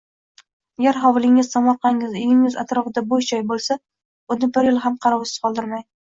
Agar hovlingiz, tomorqangiz, uyingiz atrofida boʻsh joy boʻlsa, uni bu yil ham qarovsiz qoldirmang